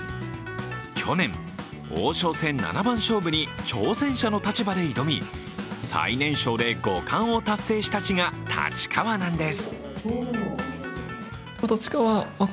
去年、王将戦七番勝負に挑戦者の立場で挑み、最年少で五冠を達成した地が立川なんです。